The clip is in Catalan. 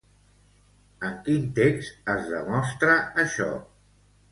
En quin text es demostra això?